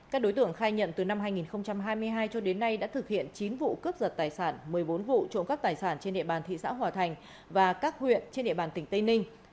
các đối tượng khai nhận từ năm hai nghìn hai mươi hai cho đến nay đã thực hiện chín vụ cướp giật tài sản một mươi bốn vụ trộm cắp tài sản trên địa bàn thị xã hòa thành và các huyện trên địa bàn tỉnh tây ninh